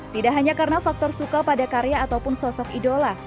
tidak hanya karena faktor suka pada karya ataupun sosok idola